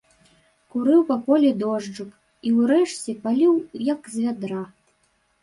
Курыў па полі дожджык і, урэшце, паліў як з вядра.